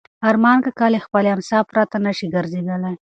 ارمان کاکا له خپلې امسا پرته نه شي ګرځېدلی.